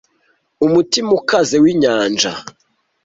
umutima ukaze w'inyanja